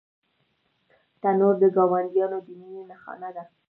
تنور د ګاونډیانو د مینې نښانه ده